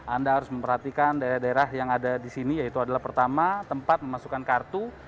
anda harus memperhatikan daerah daerah yang ada di sini yaitu adalah pertama tempat memasukkan kartu